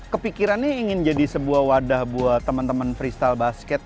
kepikirannya ingin jadi sebuah wadah buat teman teman freestyle basket